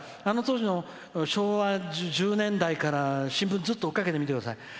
あの当時の昭和１０年代から新聞追っかけてください。